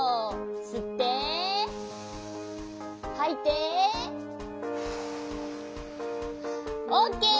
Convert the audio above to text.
すってはいてオッケー。